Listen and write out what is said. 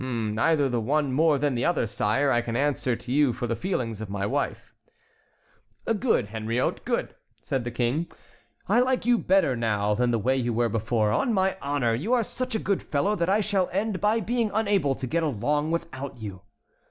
"Neither the one more than the other, sire, and I can answer to you for the feelings of my wife." "Good, Henriot, good!" said the King. "I like you better now than the way you were before. On my honor, you are such a good fellow that I shall end by being unable to get along without you."